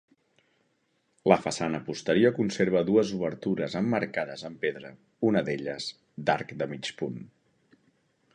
La façana posterior conserva dues obertures emmarcades amb pedra, una d'elles d'arc de mig punt.